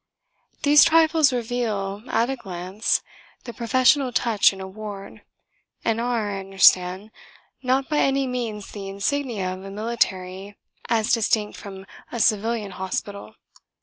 These trifles reveal at a glance the professional touch in a ward, and are, I understand, not by any means the insignia of a military as distinct from a civilian hospital.